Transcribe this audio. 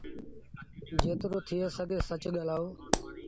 جيترو ٿئي سگھي سچ ڳآلآئو